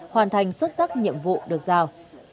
hoàn thành xuất sắc nhiệm vụ được giao